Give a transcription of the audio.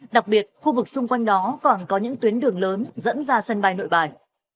đặc biệt khu vực xung quanh đó còn có những tuyến đường lớn dẫn ra sân bay nội bài